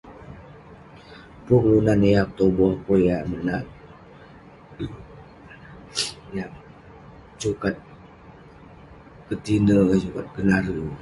Pun kelunan yah petuboh, pun yah menat, yah sukat ..ketine' kik, yah suka kenale'..